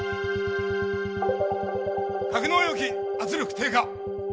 格納容器圧力低下。